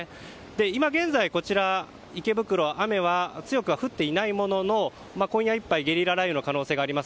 今現在、こちら池袋雨は強くは降っていないものの今夜いっぱいゲリラ雷雨の可能性があります。